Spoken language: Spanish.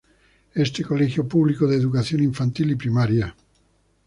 Este colegio público de educación infantil y primaria.